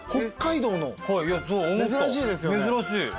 珍しい。